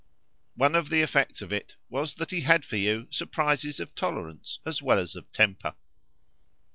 One of the effects of it was that he had for you surprises of tolerance as well as of temper.